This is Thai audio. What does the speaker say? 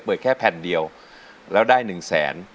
แค่แผ่นเดียวแล้วได้๑แสน